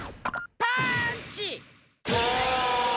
パーンチ！